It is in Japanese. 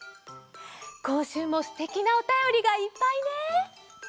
こんしゅうもすてきなおたよりがいっぱいね。